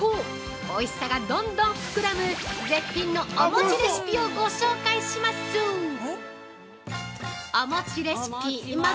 おいしさがどんどん膨らむ絶品のお餅レシピをご紹介します。